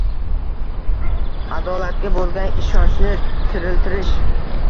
Adolatga bo‘lgan ishonchni tiriltirish